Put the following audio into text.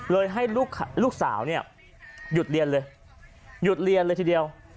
ให้ลูกสาวเนี่ยหยุดเรียนเลยหยุดเรียนเลยทีเดียว